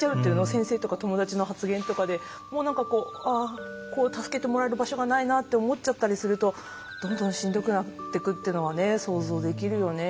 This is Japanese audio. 先生とか友達の発言とかで助けてもらえる場所がないなって思っちゃったりするとどんどんしんどくなっていくっていうのは想像できるよね。